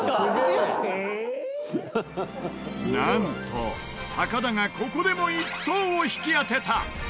なんと高田がここでも１等を引き当てた！